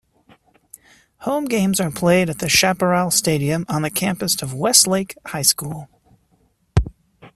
Home games are played at Chaparral Stadium on the campus of Westlake High School.